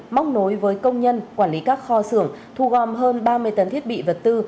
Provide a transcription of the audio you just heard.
móc nối với công nhân quản lý các kho xưởng thu gom hơn ba mươi tấn thiết bị vật tư